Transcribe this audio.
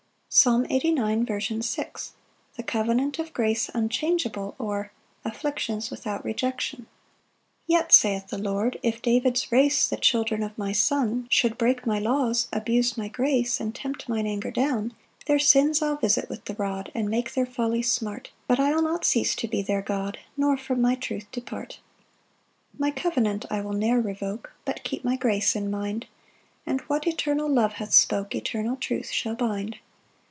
Psalm 89:6. 30 &c. Fifth Part. The covenant of grace unchangeable; or, Afflictions without rejection. 1 "Yet (saith the Lord) if David's race, "The children of my Son, "Should break my laws, abuse my grace, "And tempt mine anger down; 2 "Their sins I'll visit with the rod, "And make their folly smart; "But I'll not cease to be their God, "Nor from my truth depart. 3 "My covenant I will ne'er revoke, "But keep my grace in mind; "And what eternal love hath spoke "Eternal truth shall bind.